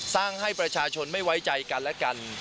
ให้ประชาชนไม่ไว้ใจกันและกัน